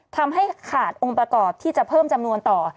ทำให้ขาดองค์ประกอบที่จะเพิ่มจำนวนต่อ